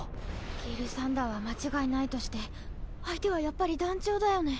ギルサンダーは間違いないとして相手はやっぱり団長だよね。